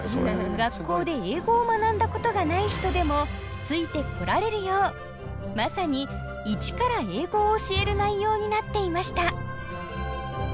学校で英語を学んだことがない人でもついてこられるようまさに一から英語を教える内容になっていました。